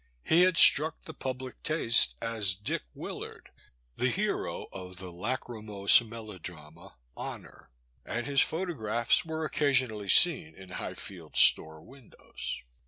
He had struck the public taste as Dick Willard, the hero of the lachrymose melodrama, Honour," and his photographs were occasionally seen in Highfield store windows.